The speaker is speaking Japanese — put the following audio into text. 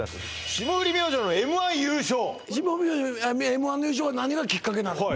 霜降り明星の「Ｍ−１」の優勝は何がきっかけなの？